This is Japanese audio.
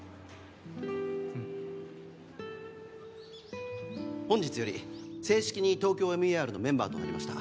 うん本日より正式にＴＯＫＹＯＭＥＲのメンバーとなりました